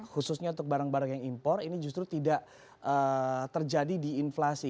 khususnya untuk barang barang yang impor ini justru tidak terjadi di inflasi